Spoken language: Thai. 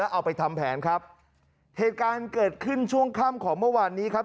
เอาไปทำแผนครับเหตุการณ์เกิดขึ้นช่วงค่ำของเมื่อวานนี้ครับ